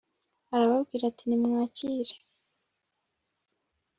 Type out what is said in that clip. arababwira ati nimwakire .